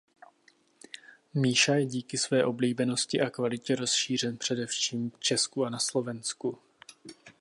Míša je díky své oblíbenosti a kvalitě rozšířen především v Česku a Slovensku.